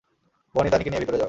বনি, তানিকে নিয়ে ভিতরে যাও!